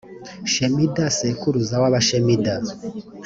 shemida sekuruza w’abashemida;